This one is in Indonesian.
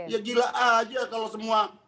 ya gila aja kalau semua